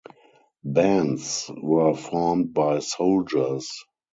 Bands were formed by soldiers.